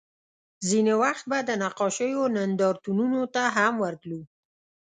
ځینې وخت به د نقاشیو نندارتونونو ته هم ورتلو